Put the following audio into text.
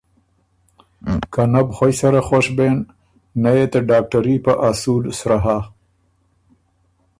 که نۀ بو خوئ سره خوش بېن، نۀ يې ته ډاکټري په اصول سرۀ هۀ